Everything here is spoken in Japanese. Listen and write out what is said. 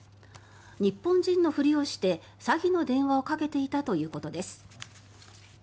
日本人のふりをして詐欺の電話をかけていたということです。